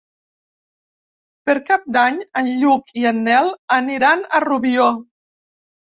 Per Cap d'Any en Lluc i en Nel aniran a Rubió.